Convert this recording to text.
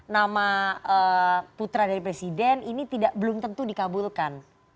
nama putra dari presiden ini belum tentu dikabulkan